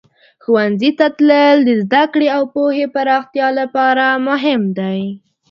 ښوونځي ته تلل د زده کړې او پوهې پراختیا لپاره مهم دی.